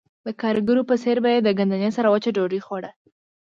د ګاریګرو په څېر به یې د ګندنې سره وچه ډوډۍ خوړه